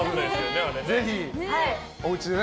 ぜひ、おうちでね。